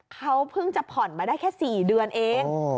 เขาเพิ่งจะผ่อนมาได้แค่๔เดือนเอง